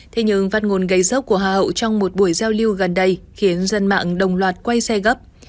thế nhưng phát ngôn gây dốc của hà hậu trong một buổi giao lưu gần đây khiến dân mạng đồng loạt quay xe gấp